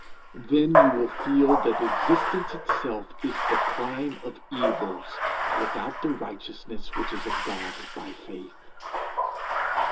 Then you will feel that existence itself is the prime of evils, without the righteousness which is of God by faith.'